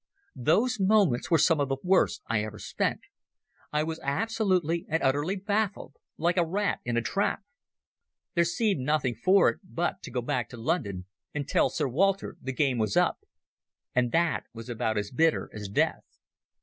Those moments were some of the worst I ever spent. I was absolutely and utterly baffled, like a rat in a trap. There seemed nothing for it but to go back to London and tell Sir Walter the game was up. And that was about as bitter as death.